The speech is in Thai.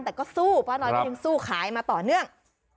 แต่ก็สู้ป้าน้อยก็ยังสู้ขายมาต่อเนื่อง